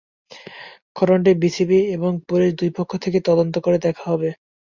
ঘটনাটি বিসিবি এবং পুলিশ, দুই পক্ষ থেকেই তদন্ত করে দেখা হবে।